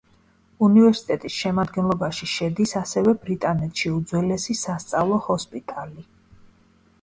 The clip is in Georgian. უნივერსიტეტის შემადგენლობაში შედის ასევე ბრიტანეთში უძველესი სასწავლო ჰოსპიტალი.